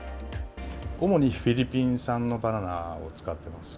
主にフィリピン産のバナナを使っています。